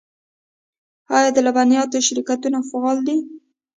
آیا د لبنیاتو شرکتونه فعال دي؟